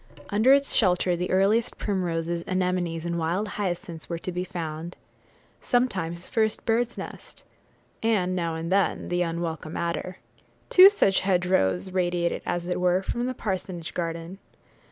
Under its shelter the earliest primroses, anemones, and wild hyacinths were to be found; sometimes, the first bird's nest; and, now and then, the unwelcome adder. Two such hedgerows radiated, as it were, from the parsonage garden.